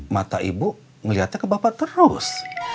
mata ibu ngeliatnya ke bapak terus